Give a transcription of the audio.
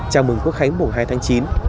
chào mừng quốc khánh mùa hai tháng chín